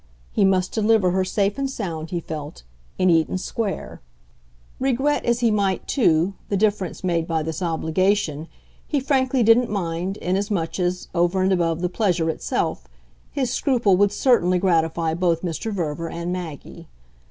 He must deliver her safe and sound, he felt, in Eaton Square. Regret as he might, too, the difference made by this obligation, he frankly didn't mind, inasmuch as, over and above the pleasure itself, his scruple would certainly gratify both Mr. Verver and Maggie.